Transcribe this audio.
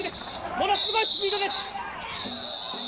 ものすごいスピードです。